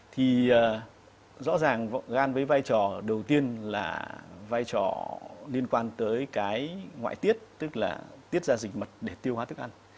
thì rõ ràng gan với vai trò đầu tiên là vai trò liên quan tới cái ngoại tiết tức là tiết ra dịch mật để tiêu hóa thức ăn